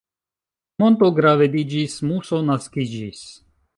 Monto gravediĝis, muso naskiĝis.